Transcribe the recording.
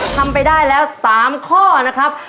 ทำไปได้แล้ว๓ข้อนะครับ